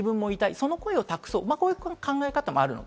その声を託そうという考え方もあります。